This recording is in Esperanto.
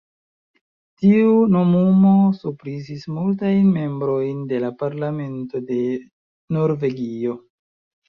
Tiu nomumo surprizis multajn membrojn de la Parlamento de Norvegio.